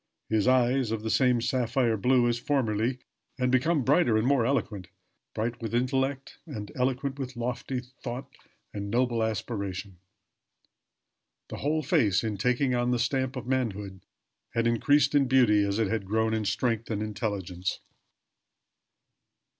His eyes of the same sapphire blue as formerly, and become brighter and more eloquent bright with intellect and eloquent with lofty thought and noble aspiration. The whole face, in taking on the stamp of manhood, had increased in beauty as it had grown in strength and intelligence.